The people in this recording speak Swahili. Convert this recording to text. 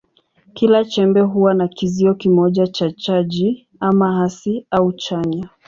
Kila chembe huwa na kizio kimoja cha chaji, ama hasi au chanya.